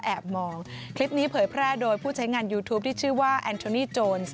ชายหนุ่มในคลิปที่กำลังนั่งกินขนมปังอย่างสบายอารมณ์นะคะ